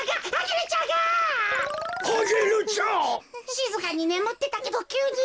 しずかにねむってたけどきゅうに。